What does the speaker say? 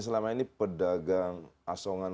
selama ini pedagang asongan